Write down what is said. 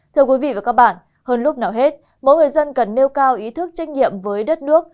thưa quý vị và các bạn hơn lúc nào hết mỗi người dân cần nêu cao ý thức trách nhiệm với đất nước